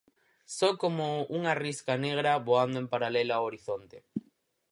Só como unha risca negra, voando en paralelo ao horizonte.